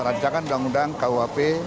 rancangan undang undang kuap